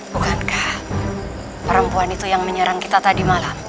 bukankah perempuan itu yang menyerang kita tadi malam